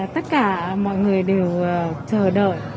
tất cả mọi người đều chờ đợi